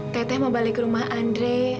tete mau balik rumah andre